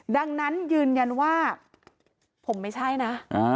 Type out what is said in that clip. ดังนั้นยืนยันว่าผมไม่ใช่นะ